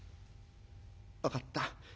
「分かった。